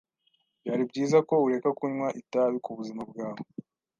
Byari byiza ko ureka kunywa itabi kubuzima bwawe.